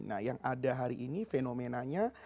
nah yang ada hari ini fenomenanya